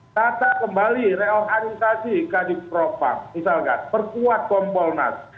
tata kembali realisasi kadipropa misalkan perkuat komponat